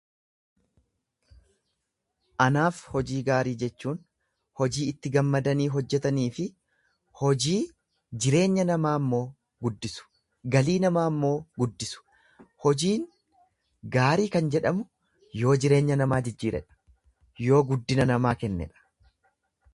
Anaaf hojii gaarii jechuun, hojii itti gammadanii hojjetanii fi jireenya namaa immoo guddisu, galii namoo immoo guddisu, hojiin gaarii kan jedhamu yoo jireenya namaa jijjiiredha. Yoo guddina namaa kennedha.